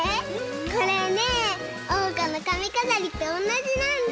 これねえおうかのかみかざりとおんなじなんだ！